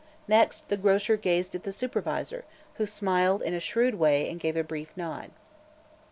Next the grocer gazed at the supervisor, who smiled in a shrewd way and gave a brief nod.